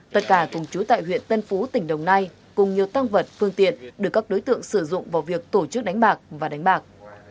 tất cả cùng chú tại huyện tân phú tỉnh đồng nai cùng nhiều tăng vật phương tiện được các đối tượng sử dụng vào việc tổ chức đánh bạc và đánh bạc